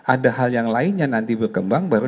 ada hal yang lainnya nanti berkembang baru